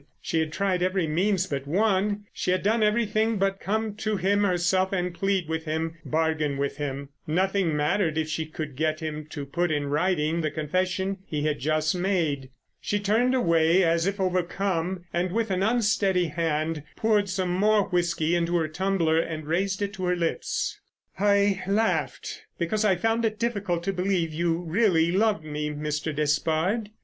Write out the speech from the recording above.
She had tried every means but one. She had done everything but come to him herself and plead with him, bargain with him. Nothing mattered if she could get him to put in writing the confession he had just made. She turned away as if overcome, and with an unsteady hand poured some more whisky into her tumbler and raised it to her lips. "I laughed because I found it difficult to believe you really loved me, Mr. Despard."